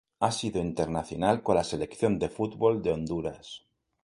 Ha sido internacional con la Selección de fútbol de Honduras.